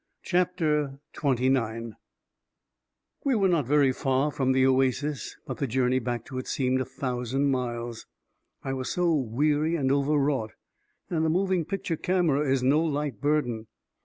CHAPTER XXIX We were not very far from the oasis, but the journey back to it seemed a thousand miles, I was so weary and overwrought — and a moving picture camera is no light burden.